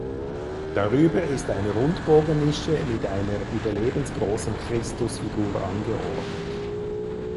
Darüber ist eine Rundbogennische mit einer überlebensgroßen Christusfigur angeordnet.